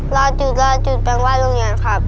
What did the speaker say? รรแปลงว่าโรงเรียนครับ